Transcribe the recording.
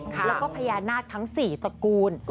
แล้วก็พญานาคทั้ง๔ตระกูล